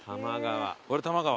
これ多摩川？